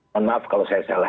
mohon maaf kalau saya salah